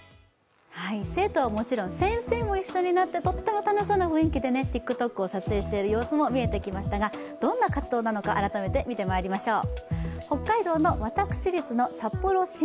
生徒はもちろん先生も一緒になってとっても楽しそうな雰囲気でＴｉｋＴｏｋを撮影している様子もありましたが、どんな活動なのか改めて見てまいりましょう。